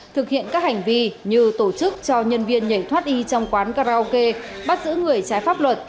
thực hiện các hành vi như tổ chức cho nhân viên nhảy thoát y trong quán karaoke bắt giữ người trái pháp luật